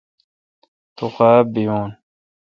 تو غاب بیون۔